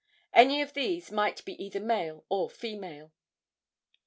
Any of these might be either male or female.